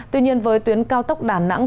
tuy nhiên với tuyến cao tốc đà nẵng